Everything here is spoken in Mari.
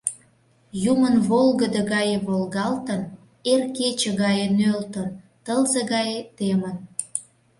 Юмын волгыдо гае волгалтын, эр кече гае нӧлтын, тылзе гае темын...